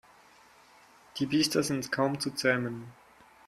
Die Biester sind kaum zu zähmen.